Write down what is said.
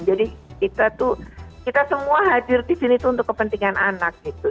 jadi kita tuh kita semua hadir disini tuh untuk kepentingan anak gitu